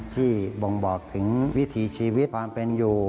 บ่งบอกถึงวิถีชีวิตความเป็นอยู่